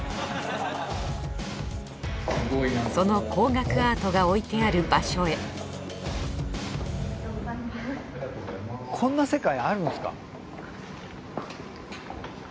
その高額アートが置いてある場所へこんな世界あるんですか。